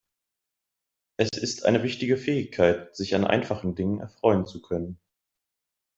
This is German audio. Es ist eine wichtige Fähigkeit, sich an einfachen Dingen erfreuen zu können.